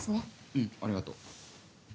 うんありがとう。